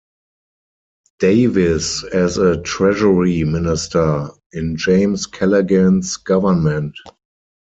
Davies as a Treasury Minister in James Callaghan's Government.